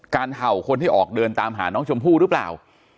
เห่าคนที่ออกเดินตามหาน้องชมพู่หรือเปล่า